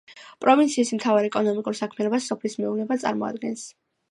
პროვინციის მთავარ ეკონომიკურ საქმიანობას სოფლის მეურნეობა წარმოადგენს.